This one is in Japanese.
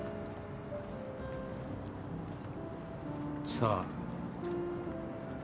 さあ。